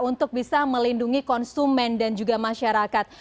untuk bisa melindungi konsumen dan juga masyarakat